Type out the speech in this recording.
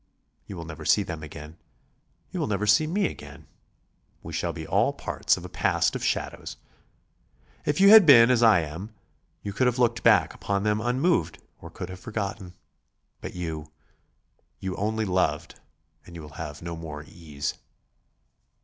You will never see them again; you will never see me again; we shall be all parts of a past of shadows. If you had been as I am, you could have looked back upon them unmoved or could have forgotten.... But you ... 'you only loved' and you will have no more ease.